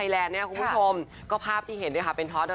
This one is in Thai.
แล้วก็เป็นภาพที่นี่แหละ